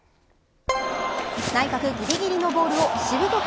内角ぎりぎりのボールをしぶとく